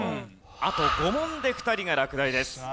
あと５問で２人が落第です。